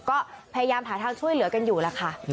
ก็พยายามหาทางช่วยเหลือกันอยู่แล้วค่ะ